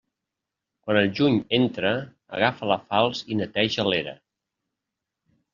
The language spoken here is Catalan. Quan el juny entra, agafa la falç i neteja l'era.